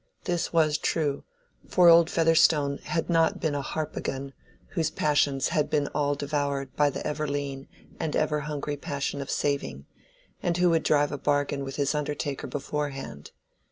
This was true; for old Featherstone had not been a Harpagon whose passions had all been devoured by the ever lean and ever hungry passion of saving, and who would drive a bargain with his undertaker beforehand.